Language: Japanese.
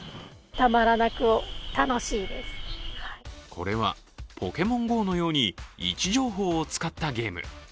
これは「ポケモンＧＯ」のように位置情報を使ったゲーム。